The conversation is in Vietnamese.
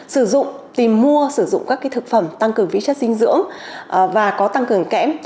sử dụng tìm mua sử dụng các thực phẩm tăng cường vi chất dinh dưỡng và có tăng cường kẽm